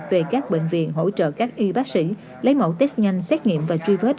về các bệnh viện hỗ trợ các y bác sĩ lấy mẫu test nhanh xét nghiệm và truy vết